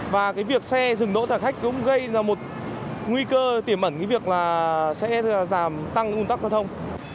và cái việc xe dừng đỗ trả khách cũng gây ra một nguy cơ tiềm ẩn cái việc là sẽ giảm tăng un tắc giao thông